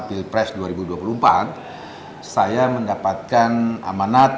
pilpres dua ribu dua puluh empat saya mendapatkan amanat